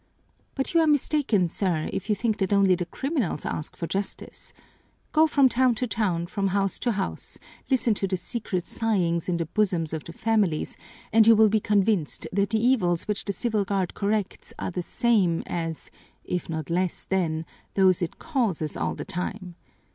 But you are mistaken, sir, if you think that only the criminals ask for justice. Go from town to town, from house to house, listen to the secret sighings in the bosoms of the families, and you will be convinced that the evils which the Civil Guard corrects are the same as, if not less than, those it causes all the time.